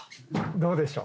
どうでしょう？